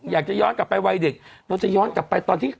ย้อนกลับไปวัยเด็กเราจะย้อนกลับไปตอนที่